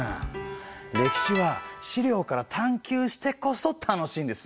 歴史は資料から探究してこそ楽しいんです。